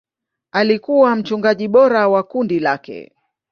Alikuwa mchungaji bora wa kundi lake.